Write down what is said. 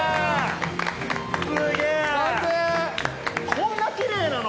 こんなきれいなの！？